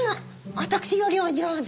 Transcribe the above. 私よりお上手。